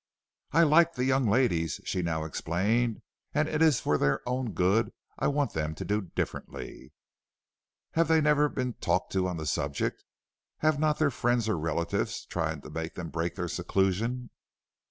"I like the young ladies," she now explained, "and it is for their own good I want them to do differently." "Have they never been talked to on the subject? Have not their friends or relatives tried to make them break their seclusion?"